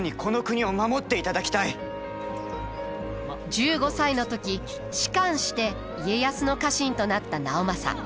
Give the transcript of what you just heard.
１５歳の時仕官して家康の家臣となった直政。